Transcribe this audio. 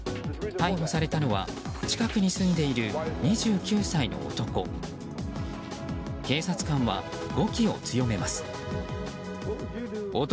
逮捕されたのは近くに住んでいる２９歳の男。